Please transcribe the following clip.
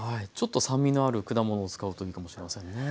ちょっと酸味のある果物を使うといいかもしれませんね。